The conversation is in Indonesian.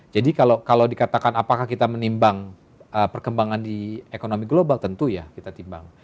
jadi kalau dikatakan apakah kita menimbang perkembangan di ekonomi global tentu ya kita timbang